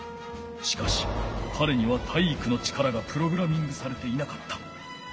しかしかれには体育の力がプログラミングされていなかった。